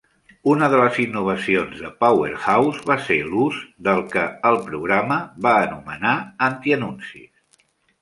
Una de les innovacions de "Powerhouse" va ser l'ús del que el programa va anomenar "antianuncis".